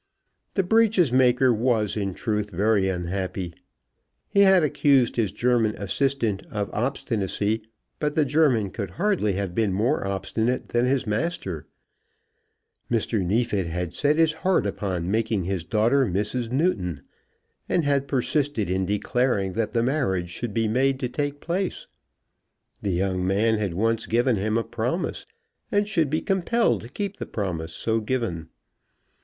The breeches maker was in truth very unhappy. He had accused his German assistant of obstinacy, but the German could hardly have been more obstinate than his master. Mr. Neefit had set his heart upon making his daughter Mrs. Newton, and had persisted in declaring that the marriage should be made to take place. The young man had once given him a promise, and should be compelled to keep the promise so given.